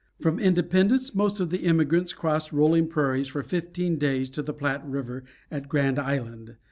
From Independence most of the emigrants crossed rolling prairies for fifteen days to the Platte River at Grand Island.